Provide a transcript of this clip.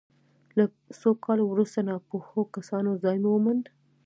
له څو کالو وروسته ناپوهو کسانو ځای وموند.